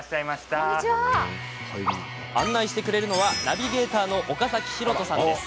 案内してくれるのはナビゲーターの岡崎裕斗さんです。